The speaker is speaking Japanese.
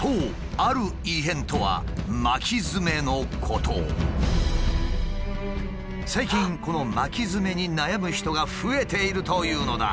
ある異変とは最近この巻きヅメに悩む人が増えているというのだ。